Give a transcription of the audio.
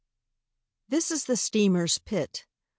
"This is the steamer's pit.